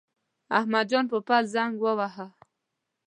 احمد جان پوپل زنګ وواهه.